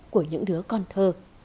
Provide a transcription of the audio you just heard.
của những đứa con thơ